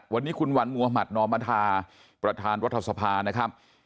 วันนี้คุณวัณฮนมภาปสวสัพธิ์นะครับ